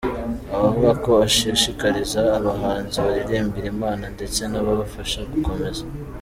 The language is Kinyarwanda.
avuga ko ashishikariza abahanzi baririmbira Imana ndetse nababafasha, gukomeza.